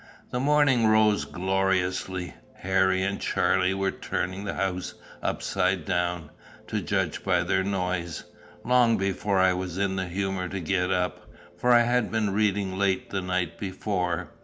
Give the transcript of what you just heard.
The morning rose gloriously. Harry and Charlie were turning the house upside down, to judge by their noise, long before I was in the humour to get up, for I had been reading late the night before.